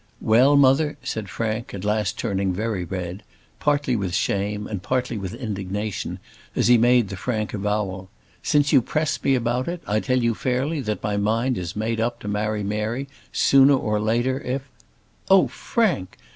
"Well, mother," said Frank, at last turning very red, partly with shame, and partly with indignation, as he made the frank avowal, "since you press me about it, I tell you fairly that my mind is made up to marry Mary sooner or later, if " "Oh, Frank!